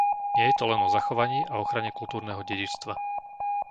Nie je to len o zachovaní a ochrane kultúrneho dedičstva.